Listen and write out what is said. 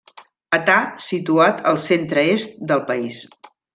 Età situat al centre-est del país.